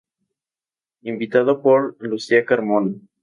Invitado por Lucía Carmona.